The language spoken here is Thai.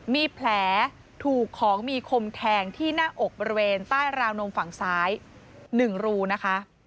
มีแผลถูกของมีคมแทงที่หน้าอกบริเวณใต้ราวนมฝั่งซ้าย๑รูนะคะ